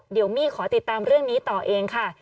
เดี๋ยวมี่ขอติดตามเรื่องนี้ต่อเองค่ะ